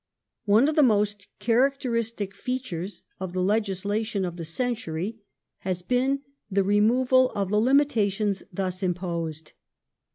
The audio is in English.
One of the most character istic features of the legislation of the century has been the removal of the limitations thus imposed.